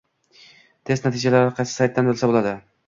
test natijalarini qaysi saytdan bilsa bo'ladi?